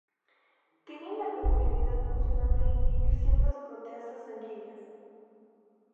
Tienen la peculiaridad funcional de inhibir ciertas proteasas sanguíneas.